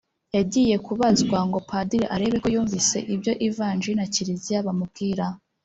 yagiye ku bazwa ngo padiri arebe ko yumvise ibyo ivanjili na kiliziya bamubwira